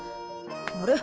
あれ？